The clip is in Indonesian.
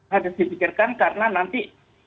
hadeh dipikirkan karena nanti